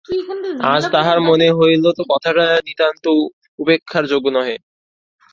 আজ তাহার মনে হইল, কথাটা নিতান্ত উপেক্ষার যোগ্য নহে।